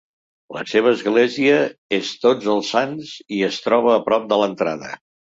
La seva església és Tots els Sants i es troba a prop de l'entrada.